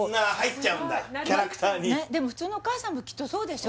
キャラクターにでも普通のお母さんもきっとそうでしょ？